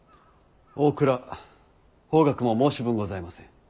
大倉方角も申し分ございません。